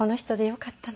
よかった。